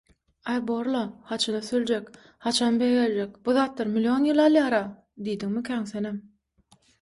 “Aý borla, haçan ösüljek, haçan beýgeljek, bu zatlar million ýyl alýara” diýdiňmikäň senem?